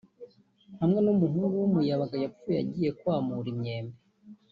hamwe n'umuhungu w'umuyabaga yapfuye agiye kwamura imyembe